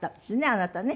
あなたね。